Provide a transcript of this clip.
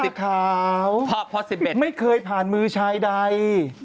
พอ๑๐เท้าพอ๑๑เท้าไม่เคยผ่านมือชายใด